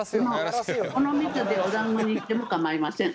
この蜜でおだんごにしても構いません。